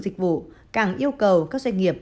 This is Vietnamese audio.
dịch vụ cảng yêu cầu các doanh nghiệp